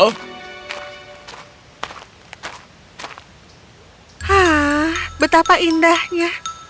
hah betapa indahnya